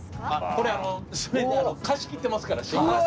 これ貸し切ってますから新幹線。